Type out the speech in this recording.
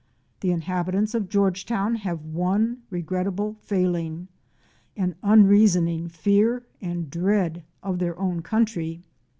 The inhabitants of Georgetown have one regrettable failing— an unreasoning fear and dread of their own country.